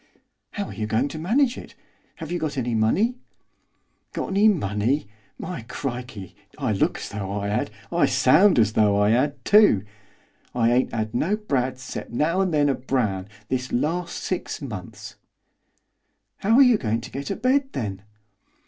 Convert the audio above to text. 'How are you going to manage it, have you got any money?' 'Got any money? My crikey! I look as though I 'ad, I sound as though I 'ad too! I ain't 'ad no brads, 'cept now and then a brown, this larst six months.' 'How are you going to get a bed then?